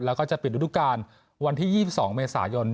แล้วก็จะปิดฤดูการวันที่๒๒เมษายน